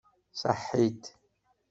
Ṣaḥit.